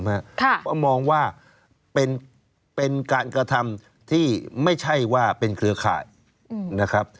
เพราะมองว่าเป็นการกระทำที่ไม่ใช่ว่าเป็นเครือข่ายนะครับ